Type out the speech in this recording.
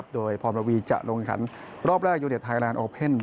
โดยพรวีจะลงขันรอบแรกยูเต็ไทยแลนดโอเพ่น